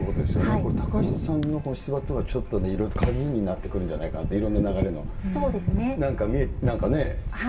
これ高市さんの出馬というのがちょっといろいろ鍵になってくるんじゃないかなと、いろんな流れの、なんかね。